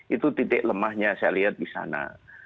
itu titik lemahnya saya lihat di sana